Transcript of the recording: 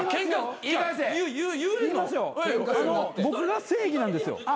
僕が正義なんですよ。